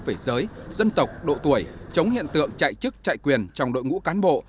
về giới dân tộc độ tuổi chống hiện tượng chạy chức chạy quyền trong đội ngũ cán bộ